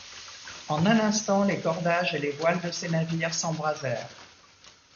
En un instant, les cordages et les voiles de ces navires s’embrasèrent.